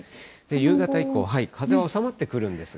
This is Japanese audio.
夕方以降、風は収まってくるんですが。